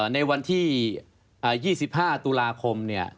ในวันที่๒๕ตุลาคมเนี่ย